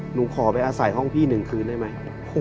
หนูขอไปอาศัยห้องพี่๑คืนได้ไหม